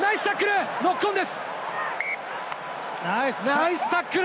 ナイスタックル！